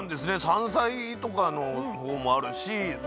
山菜とかのほうもあるしま